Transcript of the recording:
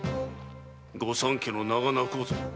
御三家の名が泣こうぞ。